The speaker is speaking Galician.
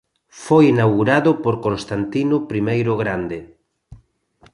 Foi inaugurado por Constantino I o Grande.